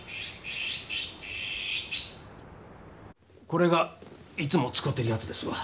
これがいつも使てるやつですわ。